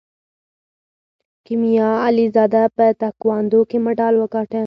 کیمیا علیزاده په تکواندو کې مډال وګاټه.